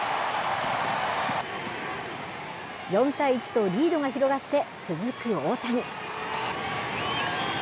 ４対１とリードが広がって、続く大谷。